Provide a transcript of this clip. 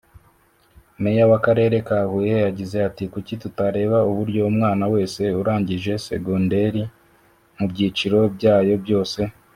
Meya w’akarere ka Huye yagize ati “ kuki tutareba uburyo umwana wese urangije Segonderi mubyiciro byayo byose